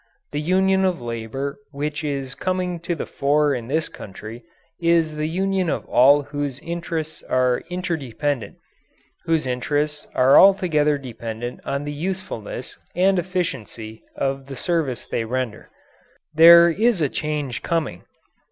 The union of labour which is coming to the fore in this country is the union of all whose interests are interdependent whose interests are altogether dependent on the usefulness and efficiency of the service they render. There is a change coming.